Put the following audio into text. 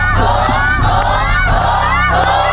ถูก